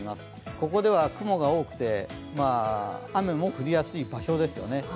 ここでは雲が多くて、雨も降りやすい場所ですよね。